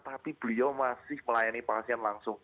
tapi beliau masih melayani pasien langsung